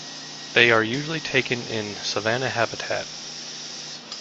They are usually taken in savannah habitat.